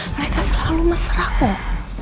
mereka selalu mesra kok